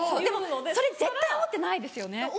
でもそれ絶対思ってないですよね。